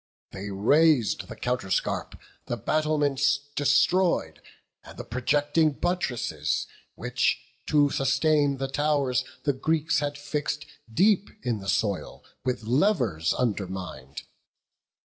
They raz'd the counterscarp, the battlements Destroy'd; and the projecting buttresses, Which, to sustain the tow'rs, the Greeks had fix'd Deep in the soil, with levers undermin'd.